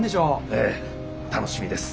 ええ楽しみです。